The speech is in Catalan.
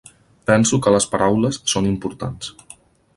Penso que les paraules són important.